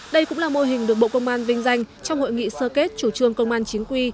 đây cũng là mô hình được bộ công an vinh danh trong hội nghị sơ kết chủ trương công an chính quy